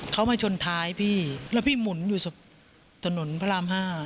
เขามาชนท้ายพี่แล้วพี่หมุนอยู่ถนนพระราม๕